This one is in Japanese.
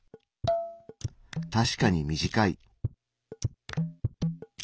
確かに短い。